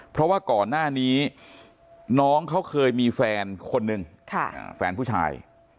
เพราะว่าก่อนหน้านี้น้องเขาเคยมีแฟนคนหนึ่งแฟนผู้ชาย